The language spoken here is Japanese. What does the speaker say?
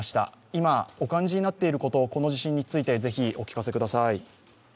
今お感じになっていること、この地震についてぜひお聴かせください。